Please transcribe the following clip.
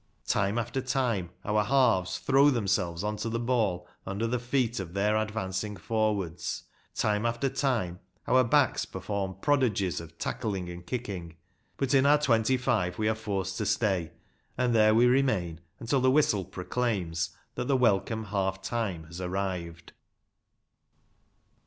Time after time our halves throw themselves on to the ball under the feet of their advancing forwards ; time after time our backs perform prodigies of tackling and kicking ; but in our twenty five we are forced to stay, and there we remain till the whistle proclaims that the welcome half time has arrived.